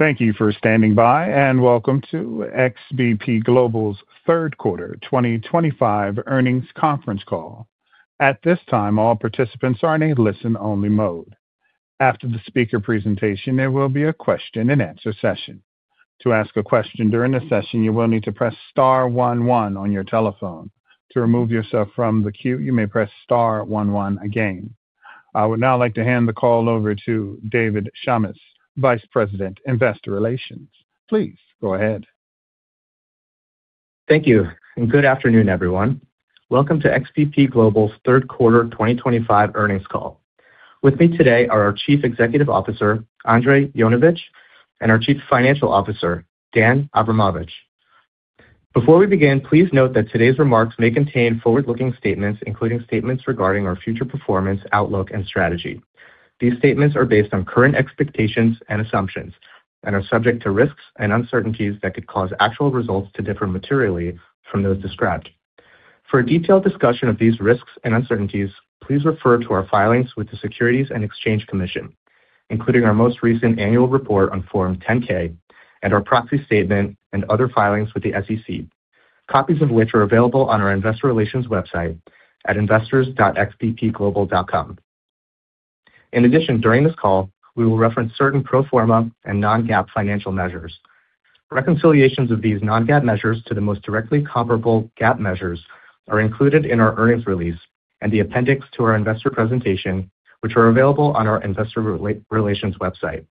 Thank you for standing by, and welcome to XBP Global's third quarter 2025 earnings conference call. At this time, all participants are in a listen-only mode. After the speaker presentation, there will be a question-and-answer session. To ask a question during the session, you will need to press Star 11 on your telephone. To remove yourself from the queue, you may press Star 11 again. I would now like to hand the call over to David Shamis, Vice President, Investor Relations. Please go ahead. Thank you, and good afternoon, everyone. Welcome to XBP Global's third quarter 2025 earnings call. With me today are our Chief Executive Officer, Andrej Jonovic, and our Chief Financial Officer, Dejan Avramovic. Before we begin, please note that today's remarks may contain forward-looking statements, including statements regarding our future performance, outlook, and strategy. These statements are based on current expectations and assumptions and are subject to risks and uncertainties that could cause actual results to differ materially from those described. For a detailed discussion of these risks and uncertainties, please refer to our filings with the Securities and Exchange Commission, including our most recent annual report on Form 10-K and our proxy statement and other filings with the SEC, copies of which are available on our Investor Relations website at investors.xbpglobal.com. In addition, during this call, we will reference certain pro forma and non-GAAP financial measures. Reconciliations of these non-GAAP measures to the most directly comparable GAAP measures are included in our earnings release and the appendix to our investor presentation, which are available on our Investor Relations website.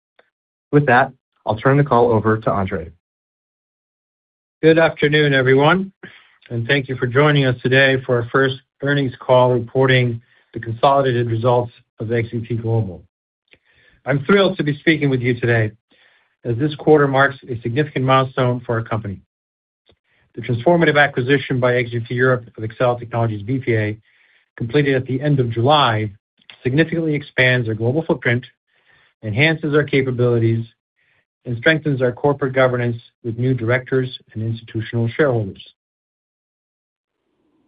With that, I'll turn the call over to Andrej. Good afternoon, everyone, and thank you for joining us today for our first earnings call reporting the consolidated results of XBP Global. I'm thrilled to be speaking with you today as this quarter marks a significant milestone for our company. The transformative acquisition by XBP Europe of Exela Technologies BPA, completed at the end of July, significantly expands our global footprint, enhances our capabilities, and strengthens our corporate governance with new directors and institutional shareholders.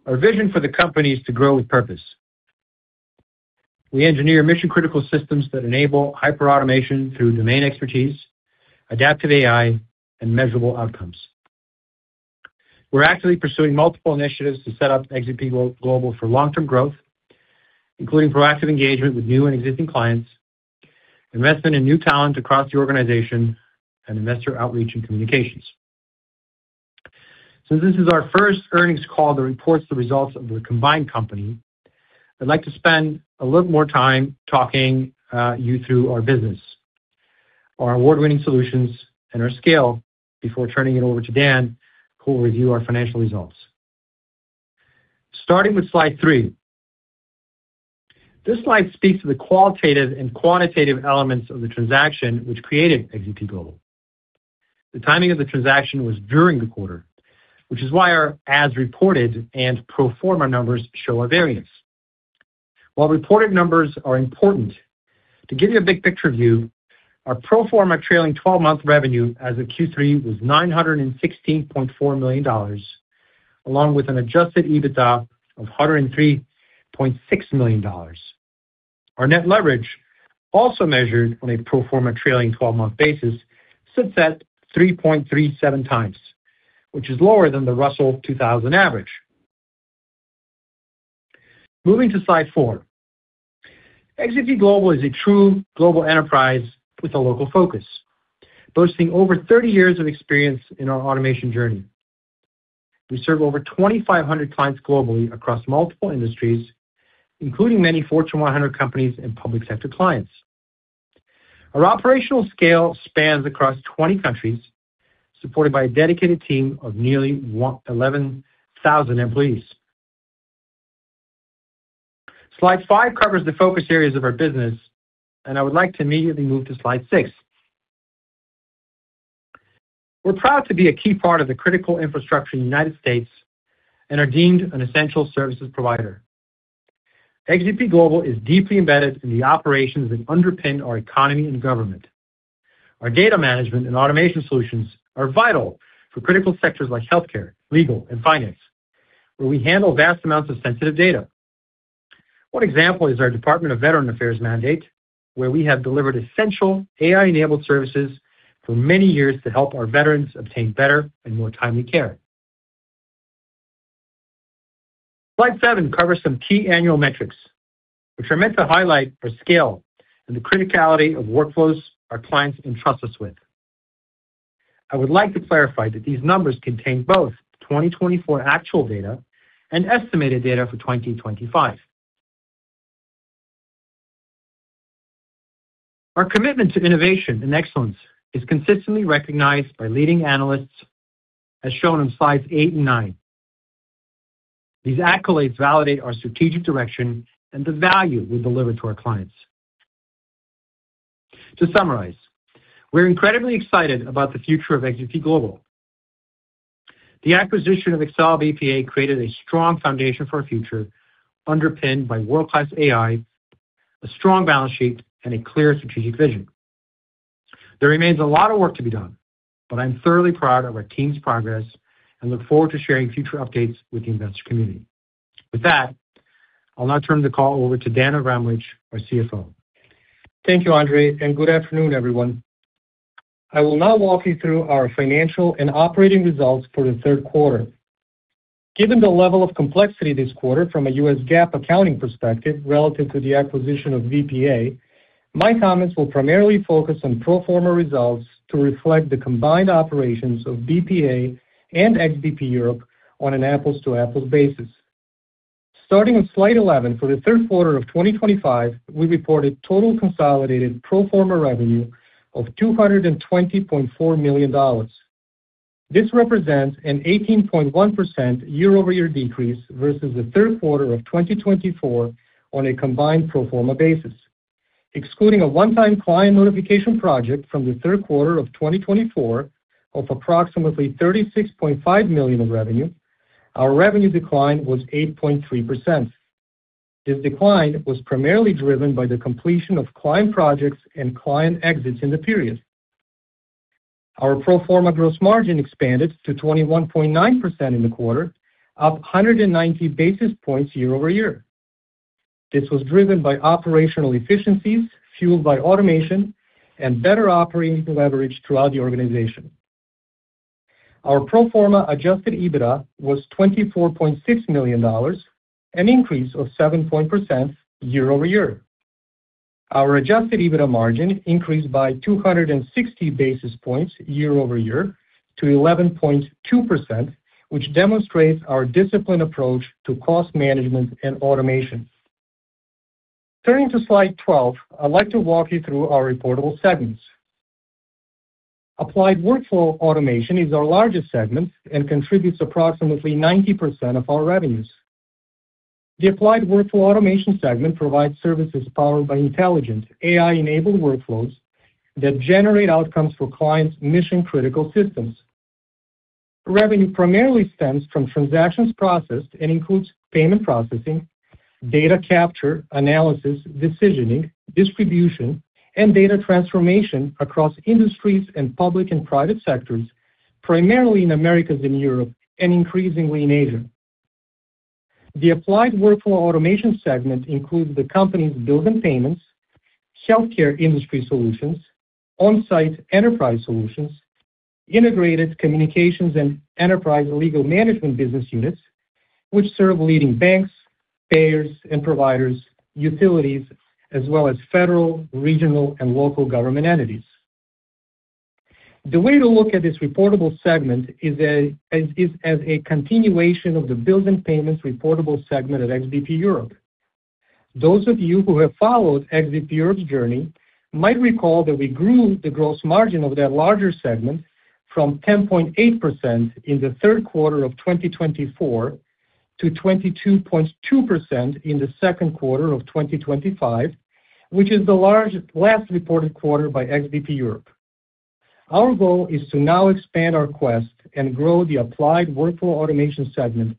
Our vision for the company is to grow with purpose. We engineer mission-critical systems that enable hyperautomation through domain expertise, adaptive AI, and measurable outcomes. We're actively pursuing multiple initiatives to set up XBP Global for long-term growth, including proactive engagement with new and existing clients, investment in new talent across the organization, and investor outreach and communications. Since this is our first earnings call that reports the results of the combined company, I'd like to spend a little more time talking you through our business, our award-winning solutions, and our scale before turning it over to Dejan, who will review our financial results. Starting with slide three, this slide speaks to the qualitative and quantitative elements of the transaction which created XBP Global. The timing of the transaction was during the quarter, which is why our as-reported and pro forma numbers show our variance. While reported numbers are important, to give you a big picture view, our pro forma trailing 12-month revenue as of Q3 was $916.4 million, along with an adjusted EBITDA of $103.6 million. Our net leverage, also measured on a pro forma trailing 12-month basis, sits at 3.37x, which is lower than the Russell 2000 average. Moving to slide four, XBP Global is a true global enterprise with a local focus, boasting over 30 years of experience in our automation journey. We serve over 2,500 clients globally across multiple industries, including many Fortune 100 companies and public sector clients. Our operational scale spans across 20 countries, supported by a dedicated team of nearly 11,000 employees. Slide five covers the focus areas of our business, and I would like to immediately move to slide six. We're proud to be a key part of the critical infrastructure in the United States and are deemed an essential services provider. XBP Global is deeply embedded in the operations that underpin our economy and government. Our data management and automation solutions are vital for critical sectors like healthcare, legal, and finance, where we handle vast amounts of sensitive data. One example is our Department of Veterans Affairs mandate, where we have delivered essential AI-enabled services for many years to help our veterans obtain better and more timely care. Slide seven covers some key annual metrics, which are meant to highlight our scale and the criticality of workflows our clients entrust us with. I would like to clarify that these numbers contain both 2024 actual data and estimated data for 2025. Our commitment to innovation and excellence is consistently recognized by leading analysts, as shown on slides eight and nine. These accolades validate our strategic direction and the value we deliver to our clients. To summarize, we're incredibly excited about the future of XBP Global. The acquisition of Exela BPA created a strong foundation for our future, underpinned by world-class AI, a strong balance sheet, and a clear strategic vision. There remains a lot of work to be done, but I'm thoroughly proud of our team's progress and look forward to sharing future updates with the investor community. With that, I'll now turn the call over to Dejan Avramovic, our CFO. Thank you, Andrej, and good afternoon, everyone. I will now walk you through our financial and operating results for the third quarter. Given the level of complexity this quarter from a U.S. GAAP accounting perspective relative to the acquisition of BPA, my comments will primarily focus on pro forma results to reflect the combined operations of BPA and XBP Europe on an apples-to-apples basis. Starting on slide 11, for the third quarter of 2025, we reported total consolidated pro forma revenue of $220.4 million. This represents an 18.1% year-over-year decrease versus the third quarter of 2024 on a combined pro forma basis. Excluding a one-time client notification project from the third quarter of 2024 of approximately $36.5 million in revenue, our revenue decline was 8.3%. This decline was primarily driven by the completion of client projects and client exits in the period. Our pro forma gross margin expanded to 21.9% in the quarter, up 190 basis points year-over-year. This was driven by operational efficiencies fueled by automation and better operating leverage throughout the organization. Our pro forma adjusted EBITDA was $24.6 million, an increase of 7.1% year-over-year. Our adjusted EBITDA margin increased by 260 basis points year-over-year to 11.2%, which demonstrates our disciplined approach to cost management and automation. Turning to slide 12, I'd like to walk you through our reportable segments. Applied workflow automation is our largest segment and contributes approximately 90% of our revenues. The applied workflow automation segment provides services powered by intelligent AI-enabled workflows that generate outcomes for clients' mission-critical systems. Revenue primarily stems from transactions processed and includes payment processing, data capture, analysis, decisioning, distribution, and data transformation across industries and public and private sectors, primarily in the Americas and Europe and increasingly in Asia. The applied workflow automation segment includes the company's bills and payments, healthcare industry solutions, on-site enterprise solutions, integrated communications, and enterprise legal management business units, which serve leading banks, payers and providers, utilities, as well as federal, regional, and local government entities. The way to look at this reportable segment is as a continuation of the bills and payments reportable segment at XBP Europe. Those of you who have followed XBP Europe's journey might recall that we grew the gross margin of that larger segment from 10.8% in the third quarter of 2024 to 22.2% in the second quarter of 2025, which is the largest last reported quarter by XBP Europe. Our goal is to now expand our quest and grow the applied workflow automation segment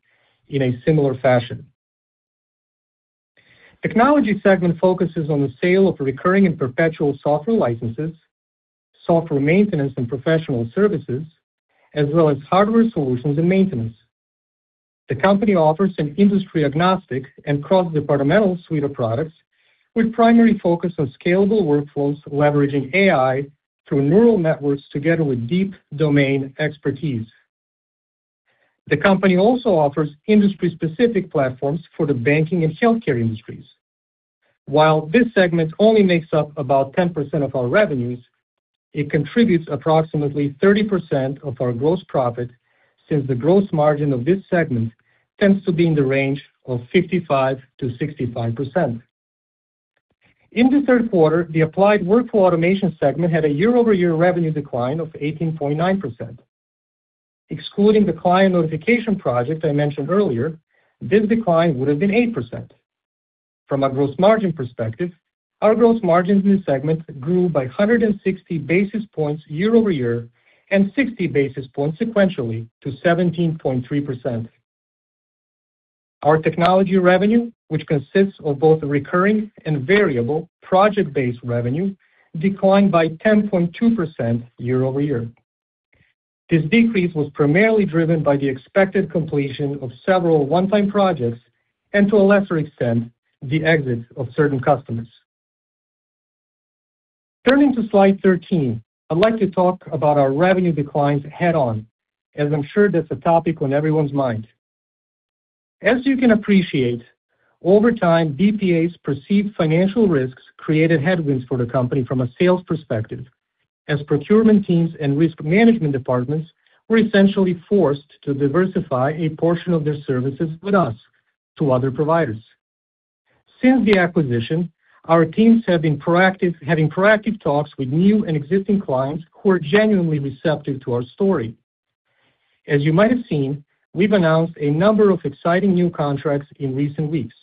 in a similar fashion. The technology segment focuses on the sale of recurring and perpetual software licenses, software maintenance and professional services, as well as hardware solutions and maintenance. The company offers an industry-agnostic and cross-departmental suite of products with a primary focus on scalable workflows leveraging AI through neural networks together with deep domain expertise. The company also offers industry-specific platforms for the banking and healthcare industries. While this segment only makes up about 10% of our revenues, it contributes approximately 30% of our gross profit since the gross margin of this segment tends to be in the range of 55%-65%. In the third quarter, the applied workflow automation segment had a year-over-year revenue decline of 18.9%. Excluding the client notification project I mentioned earlier, this decline would have been 8%. From a gross margin perspective, our gross margins in this segment grew by 160 basis points year-over-year and 60 basis points sequentially to 17.3%. Our technology revenue, which consists of both recurring and variable project-based revenue, declined by 10.2% year-over-year. This decrease was primarily driven by the expected completion of several one-time projects and, to a lesser extent, the exits of certain customers. Turning to slide 13, I'd like to talk about our revenue declines head-on, as I'm sure that's a topic on everyone's mind. As you can appreciate, over time, BPA's perceived financial risks created headwinds for the company from a sales perspective, as procurement teams and risk management departments were essentially forced to diversify a portion of their services with us to other providers. Since the acquisition, our teams have been proactive, having proactive talks with new and existing clients who are genuinely receptive to our story. As you might have seen, we've announced a number of exciting new contracts in recent weeks.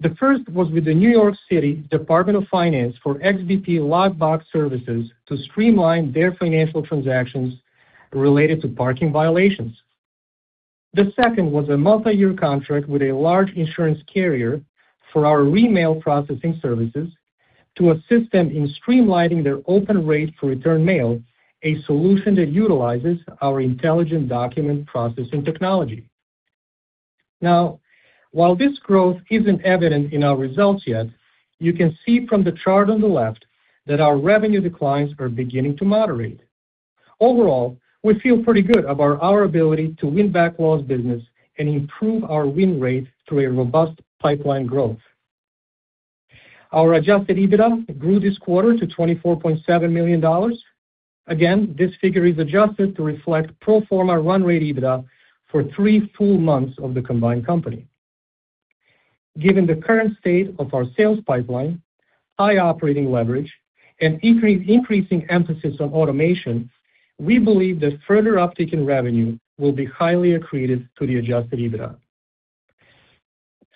The first was with the New York City Department of Finance for XBP Lockbox Services to streamline their financial transactions related to parking violations. The second was a multi-year contract with a large insurance carrier for our re-mail processing services to assist them in streamlining their open rate for return mail, a solution that utilizes our intelligent document processing technology. Now, while this growth isn't evident in our results yet, you can see from the chart on the left that our revenue declines are beginning to moderate. Overall, we feel pretty good about our ability to win back lost business and improve our win rate through a robust pipeline growth. Our adjusted EBITDA grew this quarter to $24.7 million. Again, this figure is adjusted to reflect pro forma run rate EBITDA for three full months of the combined company. Given the current state of our sales pipeline, high operating leverage, and increasing emphasis on automation, we believe that further uptake in revenue will be highly accretive to the adjusted EBITDA.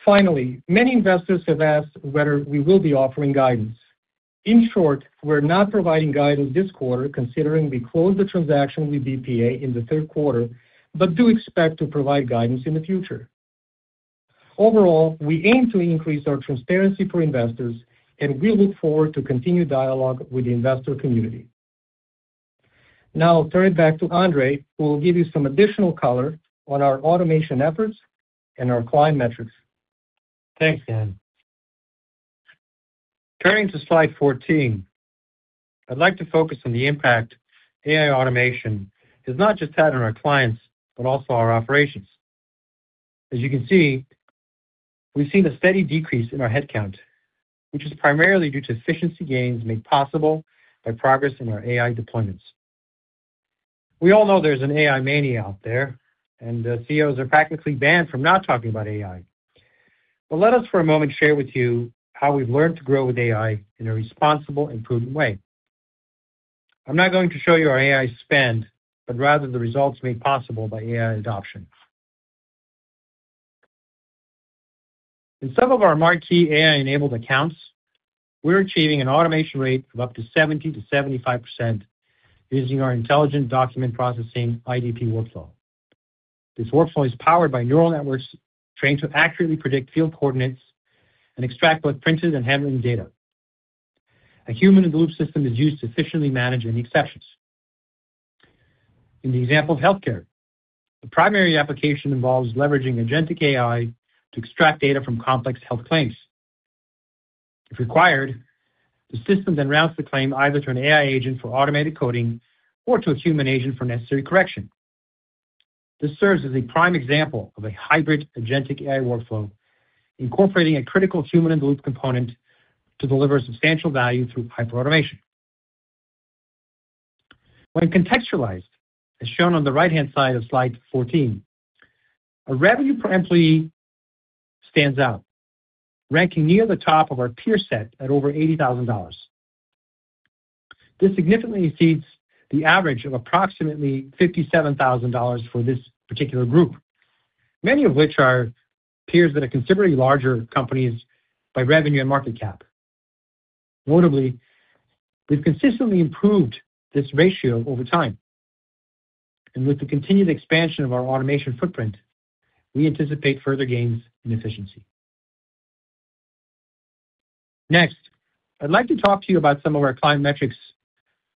Finally, many investors have asked whether we will be offering guidance. In short, we're not providing guidance this quarter considering we closed the transaction with BPA in the third quarter, but do expect to provide guidance in the future. Overall, we aim to increase our transparency for investors, and we look forward to continued dialogue with the investor community. Now, I'll turn it back to Andrej, who will give you some additional color on our automation efforts and our client metrics. Thanks, Dan. Turning to slide 14, I'd like to focus on the impact AI automation has not just had on our clients, but also our operations. As you can see, we've seen a steady decrease in our headcount, which is primarily due to efficiency gains made possible by progress in our AI deployments. We all know there's an AI mania out there, and the CEOs are practically banned from not talking about AI. Let us, for a moment, share with you how we've learned to grow with AI in a responsible and prudent way. I'm not going to show you our AI spend, but rather the results made possible by AI adoption. In some of our marquee AI-enabled accounts, we're achieving an automation rate of up to 70%-75% using our intelligent document processing IDP workflow. This workflow is powered by neural networks trained to accurately predict field coordinates and extract both printed and handling data. A human-in-the-loop system is used to efficiently manage any exceptions. In the example of healthcare, the primary application involves leveraging agentic AI to extract data from complex health claims. If required, the system then routes the claim either to an AI agent for automated coding or to a human agent for necessary correction. This serves as a prime example of a hybrid agentic AI workflow, incorporating a critical human-in-the-loop component to deliver substantial value through hyperautomation. When contextualized, as shown on the right-hand side of slide 14, our revenue per employee stands out, ranking near the top of our peer set at over $80,000. This significantly exceeds the average of approximately $57,000 for this particular group, many of which are peers that are considerably larger companies by revenue and market cap. Notably, we have consistently improved this ratio over time. With the continued expansion of our automation footprint, we anticipate further gains in efficiency. Next, I would like to talk to you about some of our client metrics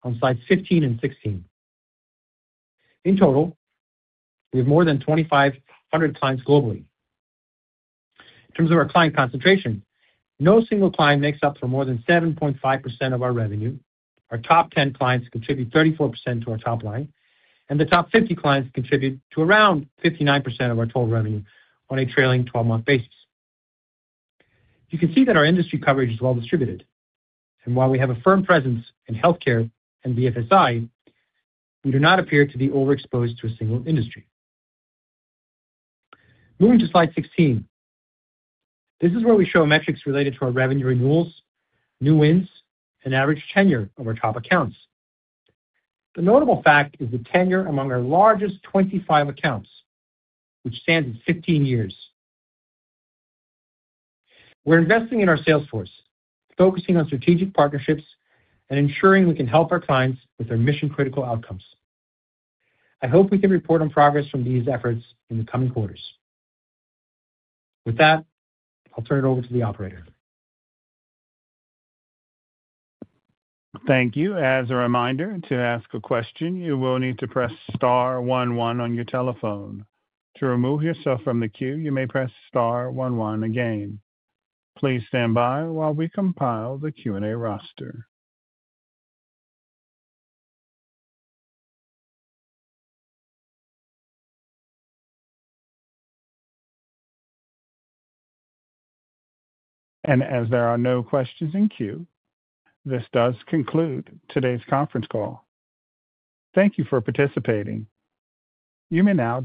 on slides 15 and 16. In total, we have more than 2,500 clients globally. In terms of our client concentration, no single client makes up more than 7.5% of our revenue. Our top 10 clients contribute 34% to our top line, and the top 50 clients contribute to around 59% of our total revenue on a trailing 12-month basis. You can see that our industry coverage is well distributed. While we have a firm presence in healthcare and BFSI, we do not appear to be overexposed to a single industry. Moving to slide 16, this is where we show metrics related to our revenue renewals, new wins, and average tenure of our top accounts. The notable fact is the tenure among our largest 25 accounts, which stands at 15 years. We're investing in our sales force, focusing on strategic partnerships and ensuring we can help our clients with our mission-critical outcomes. I hope we can report on progress from these efforts in the coming quarters. With that, I'll turn it over to the operator. Thank you. As a reminder, to ask a question, you will need to press star 11 on your telephone. To remove yourself from the queue, you may press star 11 again. Please stand by while we compile the Q&A roster. As there are no questions in queue, this does conclude today's conference call. Thank you for participating. You may now.